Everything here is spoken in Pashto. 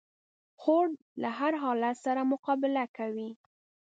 خور له هر حالت سره مقابله کوي.